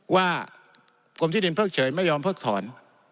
ว่ากลุ่มที่ดินเพิ่งเฉยไม่ยอมเพิ่งถอน